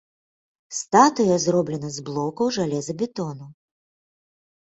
Статуя зроблена з блокаў жалезабетону.